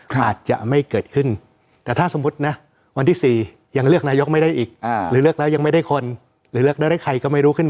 ผมมองเงื่อนไขแค่นี้ครับ